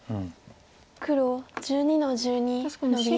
黒１２の十二ノビ。